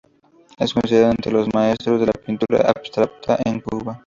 Es considerado entre los maestros de la pintura abstracta en Cuba.